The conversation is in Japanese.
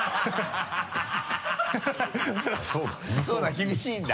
厳しいんだ。